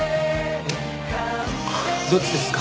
どっちですか？